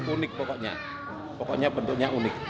unik pokoknya pokoknya bentuknya unik